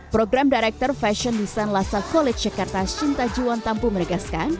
program director fashion design lasa college jakarta shinta jiwan tampu menegaskan